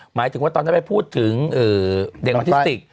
หมายถึงว่าตอนนั้นไปพูดถึงเด็กออทิสติก